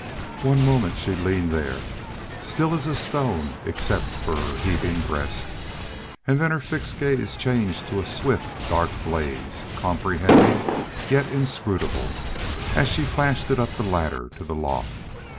One moment she leaned there, still as a stone except for her heaving breast, and then her fixed gaze changed to a swift, dark blaze, comprehending, yet inscrutable, as she flashed it up the ladder to the loft.